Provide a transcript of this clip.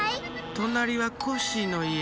となりはコッシーのいえ。